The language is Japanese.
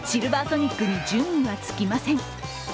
ソニックに順位はつきません。